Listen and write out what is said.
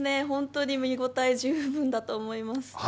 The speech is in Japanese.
本当に見応え十分だと思います。